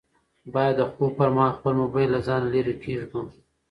باید د خوب پر مهال خپل موبایل له ځانه لیرې کېږدو.